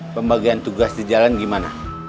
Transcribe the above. pembagian tugas di jalan gimana